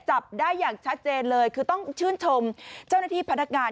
จับได้อย่างชัดเจนเลยคือต้องชื่นชมเจ้าหน้าที่พนักงาน